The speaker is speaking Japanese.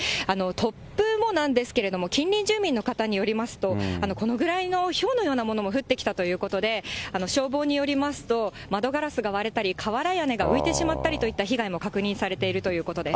突風もなんですけれども、近隣住民の方によりますと、このぐらいのひょうのようなものも降ってきたということで、消防によりますと、窓ガラスが割れたり、瓦屋根が浮いてしまったりといった被害も確認されているということです。